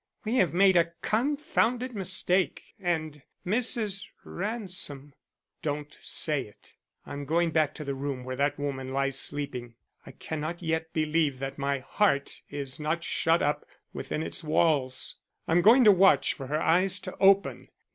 We have made a confounded mistake and Mrs. Ransom " "Don't say it. I'm going back to the room where that woman lies sleeping. I cannot yet believe that my heart is not shut up within its walls. I'm going to watch for her eyes to open.